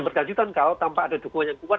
berkelanjutan kalau tanpa ada dukungan yang kuat